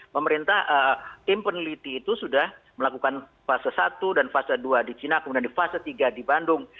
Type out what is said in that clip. pemerintah tim peneliti itu sudah melakukan fase satu dan fase dua di cina kemudian di fase tiga di bandung